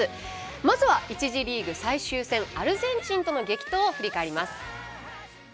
まずは、１次リーグ最終戦アルゼンチンとの激闘を振り返ります。